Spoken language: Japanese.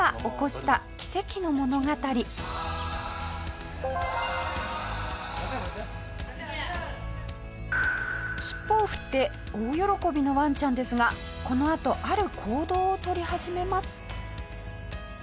下平：尻尾を振って大喜びのワンちゃんですがこのあとある行動を取り始めます。